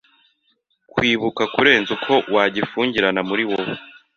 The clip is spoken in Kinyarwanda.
kibukwa kurenza uko wagifungirana muri wowe.